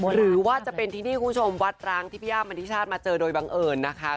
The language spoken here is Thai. หรือว่าจะเป็นที่นี่คุณผู้ชมวัดร้างที่พี่อ้ำมณฑิชาติมาเจอโดยบังเอิญนะคะ